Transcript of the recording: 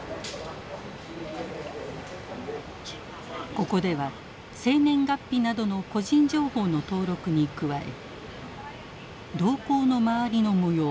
ここでは生年月日などの個人情報の登録に加え瞳孔の周りの模様